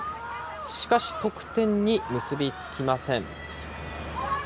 しかし、得点に結び付きません。